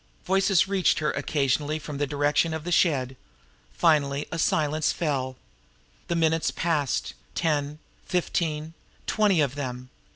Voices reached her now occasionally from the direction of the shed. Finally a silence fell. The minutes passed ten fifteen twenty of them.